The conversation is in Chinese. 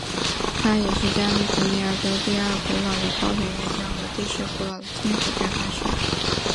它也是加利福尼亚州第二古老的高等院校和第十古老的天主教大学。